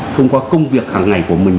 thông qua công việc hàng ngày của mình